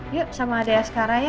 ayo sama adek askaranya